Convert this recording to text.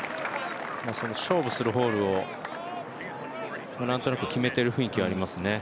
勝負するホールを何となく決めてる雰囲気ありますね。